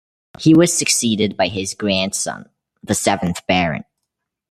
He was succeeded by his grandson, the seventh Baron.